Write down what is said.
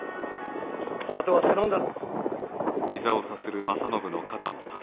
あとは頼んだ。